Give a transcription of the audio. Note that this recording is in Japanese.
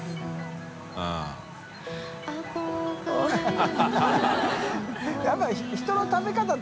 ハハハ